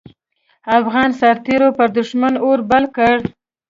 افغان سررتېرو پر دوښمن اور بل کړ.